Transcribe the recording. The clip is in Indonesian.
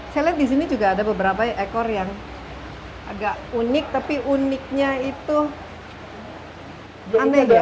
saya lihat di sini juga ada beberapa ekor yang agak unik tapi uniknya itu aneh ya